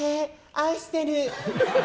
愛してる！